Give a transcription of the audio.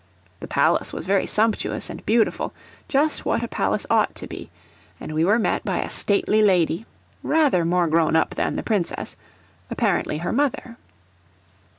The palace was very sumptuous and beautiful, just what a palace ought to be; and we were met by a stately lady, rather more grownup than the Princess apparently her mother.